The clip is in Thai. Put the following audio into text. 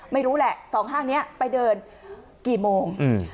ไม่รู้แหละสองห้างเนี้ยไปเดินกี่โมงอืม